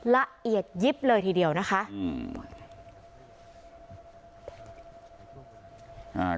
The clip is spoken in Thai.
ละเอียดยิบเลยทีเดียวนะคะอืม